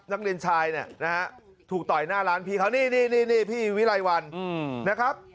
นักเรียนชายเนี่ยนะฮะถูกต่อยหน้าร้านพี่เขานี่พี่วิไลวันนะครับ